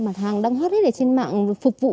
mặt hàng đang hoát hết trên mạng phục vụ